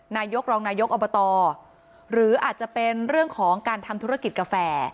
นายกรองนายกอบตหรืออาจจะเป็นเรื่องของการทำธุรกิจกาแฟ